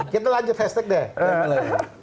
kita lanjut hashtag deh